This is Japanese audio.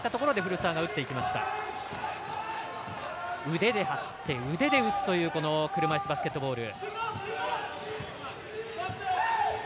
腕で走って腕で打つという車いすバスケットボール。